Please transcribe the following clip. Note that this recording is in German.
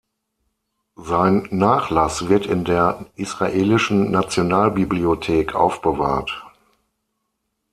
Sein Nachlass wird in der Israelischen Nationalbibliothek aufbewahrt.